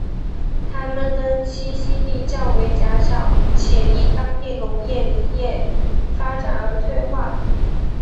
它们的栖息地较为狭小且因当地农业林业发展而退化。